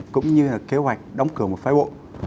cũng như kế hoạch đóng cửa một phái bộ